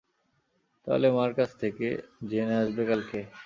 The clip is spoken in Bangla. তাহলে মার কাছ থেকে জেনে আসবে কালকে।